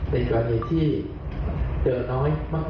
เป็นกรณีที่เจอน้อยมาก